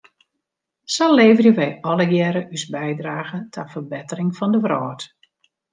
Sa leverje wij allegearre ús bydrage ta ferbettering fan de wrâld.